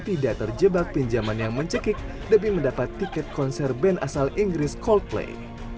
tidak terjebak pinjaman yang mencekik demi mendapat tiket konser band asal inggris coldplay